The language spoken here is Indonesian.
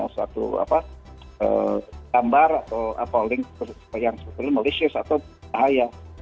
satu gambar atau link yang sebetulnya malicious atau bahaya